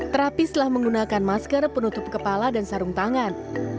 terapi setelah menggunakan masker penutup kepala dan sarung tangan